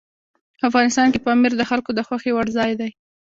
افغانستان کې پامیر د خلکو د خوښې وړ ځای دی.